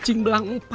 udah aku sudah terbuka